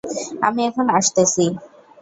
আমি এখনি আসতেছি।